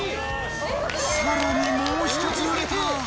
さらにもう一つ売れた。